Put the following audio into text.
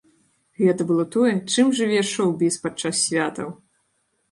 Гэта было тое, чым жыве шоў-біз падчас святаў!